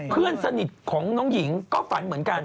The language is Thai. เพื่อนสนิทของน้องหญิงก็ฝันเหมือนกัน